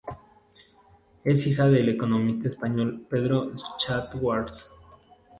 Es hija del economista español Pedro Schwartz.